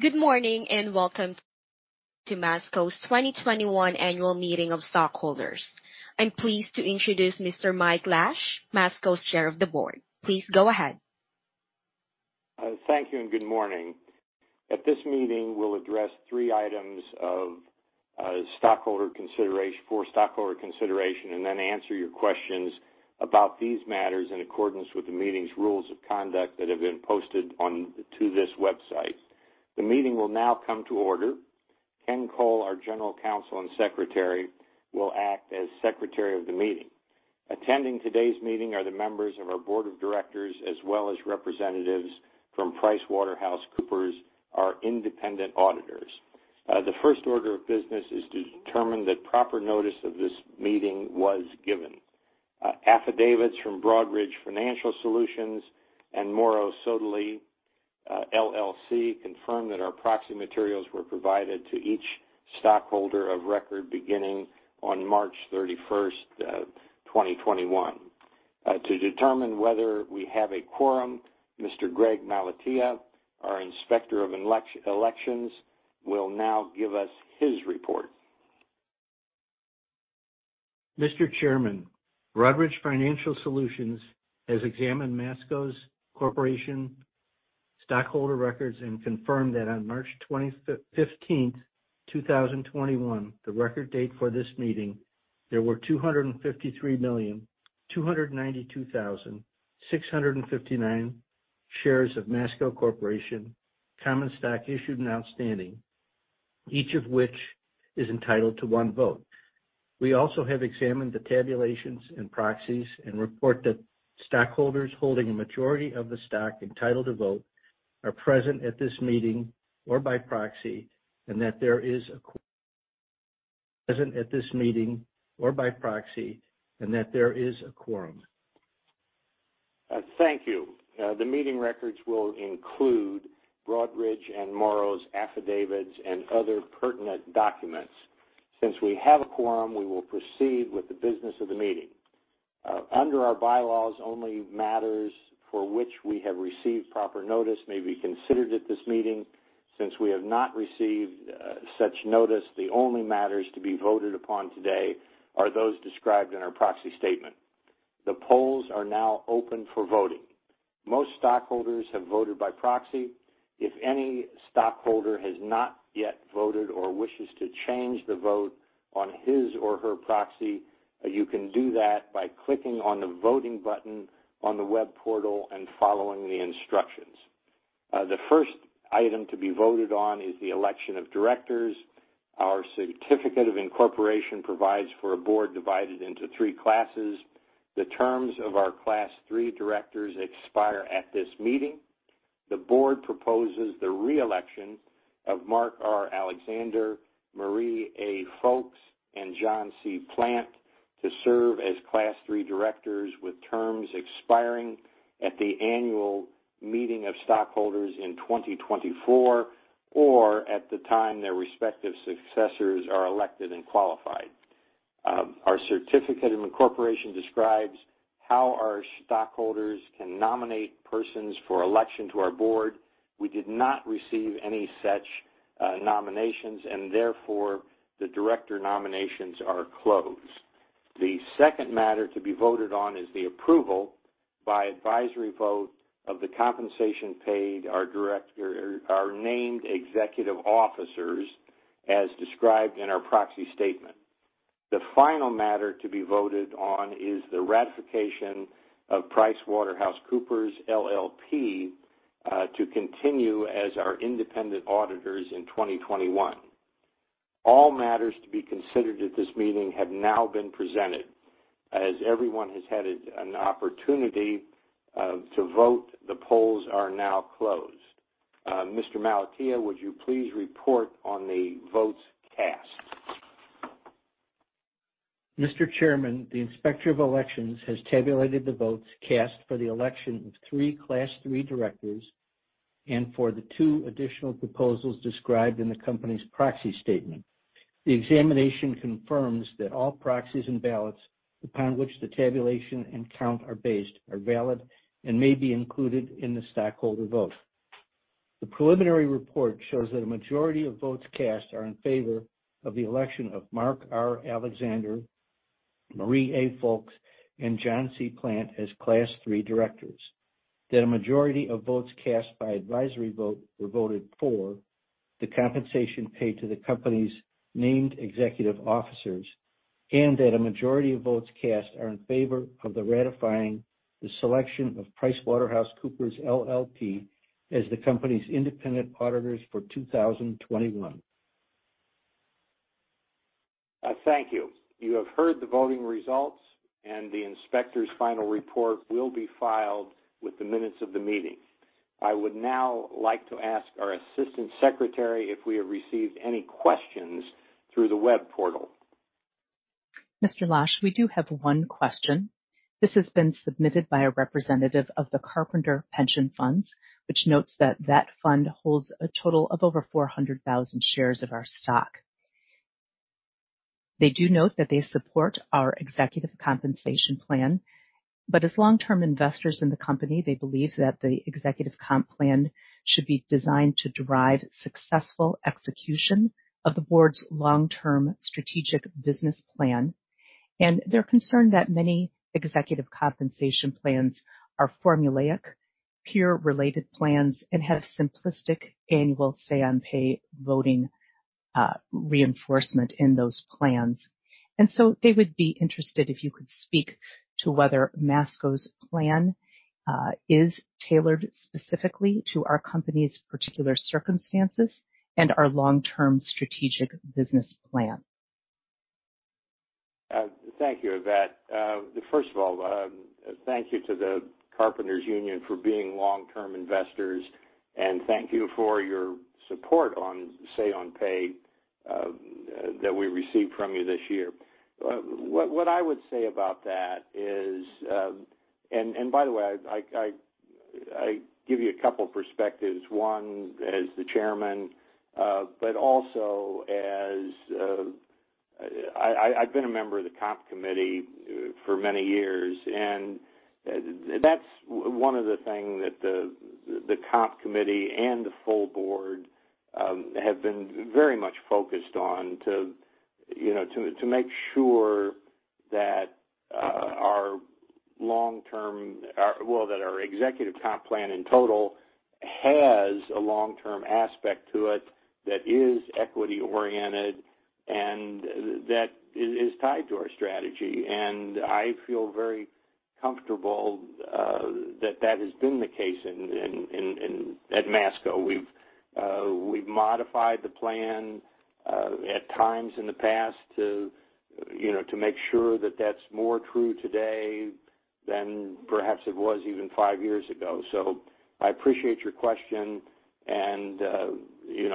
Good morning. Welcome to Masco's 2021 annual meeting of stockholders. I'm pleased to introduce Mr. Michael Losh, Masco's Chair of the Board. Please go ahead. Thank you, and good morning. At this meeting, we'll address three items for stockholder consideration and then answer your questions about these matters in accordance with the meeting's rules of conduct that have been posted onto this website. The meeting will now come to order. Ken Cole, our General Counsel and Secretary, will act as Secretary of the meeting. Attending today's meeting are the members of our board of directors, as well as representatives from PricewaterhouseCoopers, our independent auditors. The first order of business is to determine that proper notice of this meeting was given. Affidavits from Broadridge Financial Solutions and Morrow Sodali LLC confirm that our proxy materials were provided to each stockholder of record beginning on March 31st, 2021. To determine whether we have a quorum, Mr. Greg Malatia, our Inspector of Elections, will now give us his report. Mr. Chairman, Broadridge Financial Solutions has examined Masco's Corporation stockholder records and confirmed that on March 15th, 2021, the record date for this meeting, there were 253,292,659 shares of Masco Corporation common stock issued and outstanding, each of which is entitled to one vote. We also have examined the tabulations and proxies and report that stockholders holding a majority of the stock entitled to vote are present at this meeting or by proxy and that there is a quorum. Thank you. The meeting records will include Broadridge and Morrow's affidavits and other pertinent documents. Since we have a quorum, we will proceed with the business of the meeting. Under our bylaws, only matters for which we have received proper notice may be considered at this meeting. Since we have not received such notice, the only matters to be voted upon today are those described in our proxy statement. The polls are now open for voting. Most stockholders have voted by proxy. If any stockholder has not yet voted or wishes to change the vote on his or her proxy, you can do that by clicking on the voting button on the web portal and following the instructions. The first item to be voted on is the election of directors. Our certificate of incorporation provides for a board divided into three classes. The terms of our class three directors expire at this meeting. The board proposes the re-election of Mark R. Alexander, Marie A. Ffolkes, and John C. Plant to serve as class three directors with terms expiring at the annual meeting of stockholders in 2024 or at the time their respective successors are elected and qualified. Our certificate of incorporation describes how our stockholders can nominate persons for election to our board. We did not receive any such nominations, and therefore, the director nominations are closed. The second matter to be voted on is the approval by advisory vote of the compensation paid our named executive officers as described in our proxy statement. The final matter to be voted on is the ratification of PricewaterhouseCoopers LLP to continue as our independent auditors in 2021. All matters to be considered at this meeting have now been presented. As everyone has had an opportunity to vote, the polls are now closed. Mr. Malatia, would you please report on the votes cast? Mr. Chairman, the Inspector of Elections has tabulated the votes cast for the election of three class three directors and for the two additional proposals described in the company's proxy statement. The examination confirms that all proxies and ballots upon which the tabulation and count are based are valid and may be included in the stockholder vote. The preliminary report shows that a majority of votes cast are in favor of the election of Mark R. Alexander, Marie A. Ffolkes, and John C. Plant as class three directors, that a majority of votes cast by advisory vote were voted for the compensation paid to the company's named executive officers, and that a majority of votes cast are in favor of ratifying the selection of PricewaterhouseCoopers LLP as the company's independent auditors for 2021. Thank you. You have heard the voting results, and the inspector's final report will be filed with the minutes of the meeting. I would now like to ask our Assistant Secretary if we have received any questions through the web portal. Mr. Losh, we do have one question. This has been submitted by a representative of the Carpenter Pension Fund, which notes that that fund holds a total of over 400,000 shares of our stock. They do note that they support our executive compensation plan, but as long-term investors in the company, they believe that the executive comp plan should be designed to drive successful execution of the board's long-term strategic business plan. They're concerned that many executive compensation plans are formulaic, peer-related plans and have simplistic annual Say on Pay voting reinforcement in those plans. They would be interested if you could speak to whether Masco's plan is tailored specifically to our company's particular circumstances and our long-term strategic business plan. Thank you, Yvette. First of all, thank you to the Carpenters Union for being long-term investors. Thank you for your support on Say on Pay that we received from you this year. What I would say about that is, by the way, I give you a couple perspectives, one as the Chairman, but also as I've been a member of the comp committee for many years, and that's one of the thing that the comp committee and the full board have been very much focused on to make sure that our executive comp plan in total has a long-term aspect to it that is equity-oriented and that is tied to our strategy. I feel very comfortable that has been the case at Masco. We've modified the plan at times in the past to make sure that that's more true today than perhaps it was even five years ago. I appreciate your question and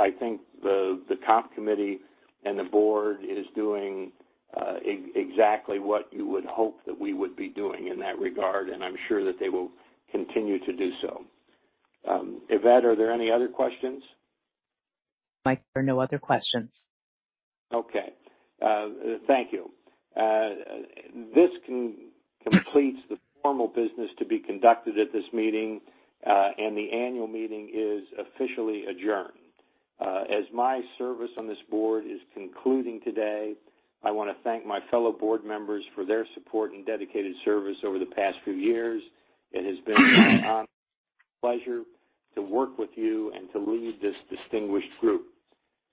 I think the comp committee and the board is doing exactly what you would hope that we would be doing in that regard, and I'm sure that they will continue to do so. Yvette, are there any other questions? Mike, there are no other questions. Okay. Thank you. This completes the formal business to be conducted at this meeting, and the annual meeting is officially adjourned. As my service on this Board is concluding today, I want to thank my fellow board members for their support and dedicated service over the past few years. It has been my honor and pleasure to work with you and to lead this distinguished group.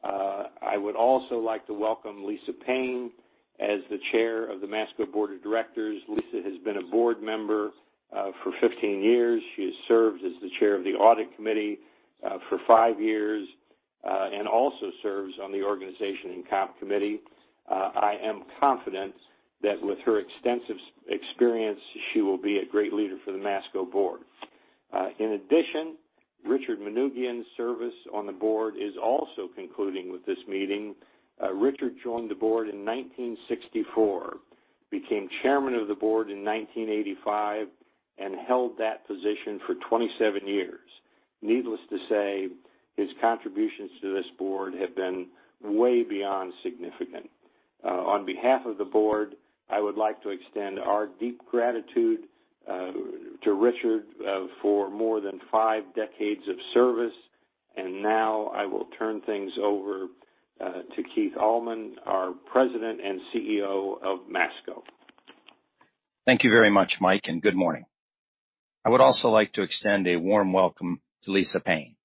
I would also like to welcome Lisa Payne as the Chair of the Masco Board of Directors. Lisa has been a board member for 15 years. She has served as the Chair of the Audit Committee for five years, and also serves on the organization and comp committee. I am confident that with her extensive experience, she will be a great leader for the Masco Board. In addition, Richard Manoogian's service on the Board is also concluding with this meeting. Richard joined the board in 1964, became Chairman of the Board in 1985, and held that position for 27 years. Needless to say, his contributions to this board have been way beyond significant. On behalf of the board, I would like to extend our deep gratitude to Richard for more than five decades of service. Now I will turn things over to Keith Allman, our President and CEO of Masco. Thank you very much, Mike, and good morning. I would also like to extend a warm welcome to Lisa Payne.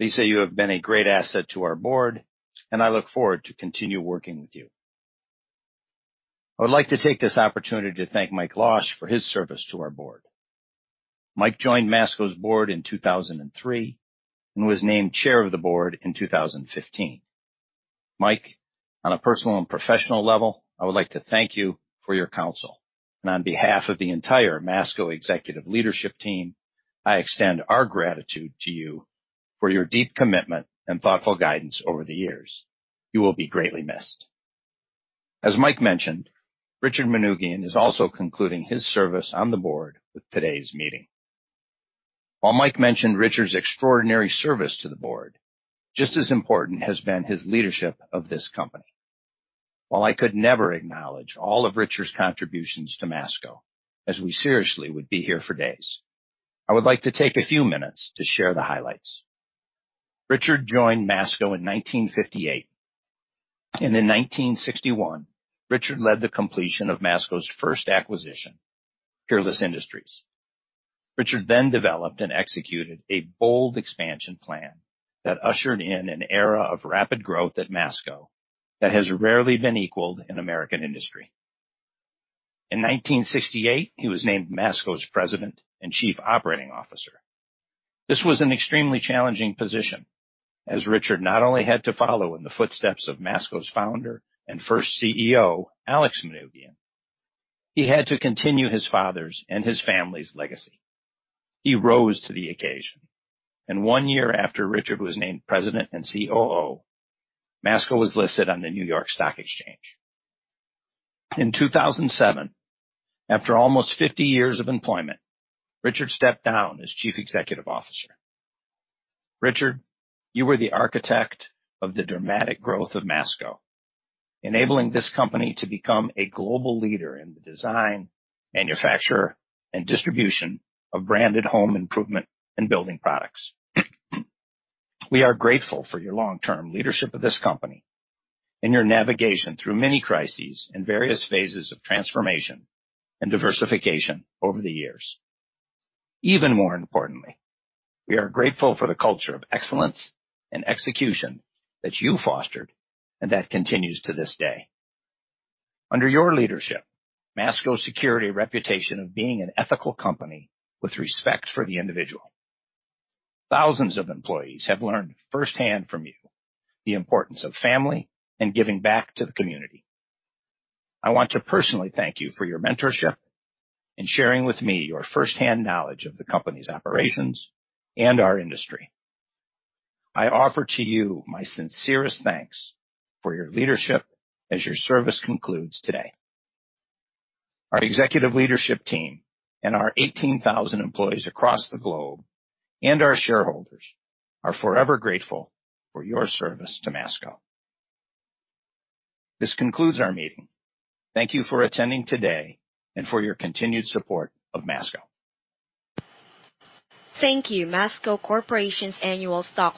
Lisa, you have been a great asset to our board, and I look forward to continue working with you. I would like to take this opportunity to thank Mike Losh for his service to our board. Mike joined Masco's board in 2003 and was named Chair of the Board in 2015. Mike, on a personal and professional level, I would like to thank you for your counsel. On behalf of the entire Masco executive leadership team, I extend our gratitude to you for your deep commitment and thoughtful guidance over the years. You will be greatly missed. As Mike mentioned, Richard Manoogian is also concluding his service on the board with today's meeting. While Mike mentioned Richard's extraordinary service to the board, just as important has been his leadership of this company. While I could never acknowledge all of Richard's contributions to Masco, as we seriously would be here for days, I would like to take a few minutes to share the highlights. Richard joined Masco in 1958, and in 1961, Richard led the completion of Masco's first acquisition, Peerless Industries. Richard then developed and executed a bold expansion plan that ushered in an era of rapid growth at Masco that has rarely been equaled in American industry. In 1968, he was named Masco's President and Chief Operating Officer. This was an extremely challenging position, as Richard not only had to follow in the footsteps of Masco's Founder and first CEO, Alex Manoogian, he had to continue his father's and his family's legacy. He rose to the occasion, and one year after Richard was named president and COO, Masco was listed on the New York Stock Exchange. In 2007, after almost 50 years of employment, Richard stepped down as Chief Executive Officer. Richard, you were the architect of the dramatic growth of Masco, enabling this company to become a global leader in the design, manufacture, and distribution of branded home improvement and building products. We are grateful for your long-term leadership of this company and your navigation through many crises and various phases of transformation and diversification over the years. Even more importantly, we are grateful for the culture of excellence and execution that you fostered and that continues to this day. Under your leadership, Masco secured a reputation of being an ethical company with respect for the individual. Thousands of employees have learned firsthand from you the importance of family and giving back to the community. I want to personally thank you for your mentorship and sharing with me your firsthand knowledge of the company's operations and our industry. I offer to you my sincerest thanks for your leadership as your service concludes today. Our executive leadership team and our 18,000 employees across the globe and our shareholders are forever grateful for your service to Masco. This concludes our meeting. Thank you for attending today and for your continued support of Masco. Thank you. Masco Corporation's annual stock-